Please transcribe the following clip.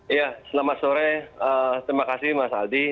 iya selamat sore terima kasih mas aldi